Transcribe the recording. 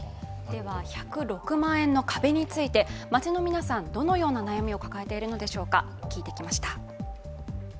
１０６万円の壁について街の皆さんどのような悩みを抱えているのでしょうか、聞いてきました。